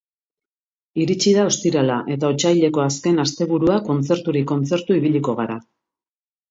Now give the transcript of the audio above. Iritsi da ostirala eta otsaileko azken asteburua kontzerturik kontzertu ibiliko gara.